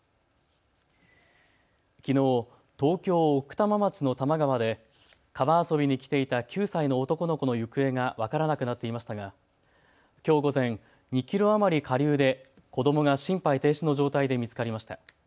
きのう東京奥多摩町の多摩川で川遊びに来ていた９歳の男の子の行方が分からなくなっていましたがきょう午前、２キロ余り下流で子どもが心肺停止の状態で見つかりました。